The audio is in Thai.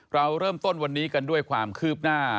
เราเริ่มต้นวันนี้กันด้วยความคืบหน้า